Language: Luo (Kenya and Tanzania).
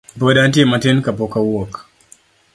Pod antie matin kapok awuok.